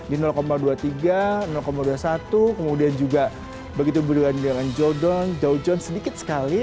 di dua puluh tiga dua puluh satu kemudian juga begitu berdua dengan jodon jou john sedikit sekali